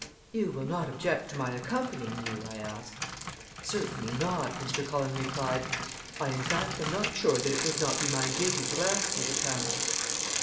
"You will not object to my accompanying you?" I asked. "Certainly not," Mr. Cullen replied; "I, in fact, am not sure that it would not be my duty to ask you to come."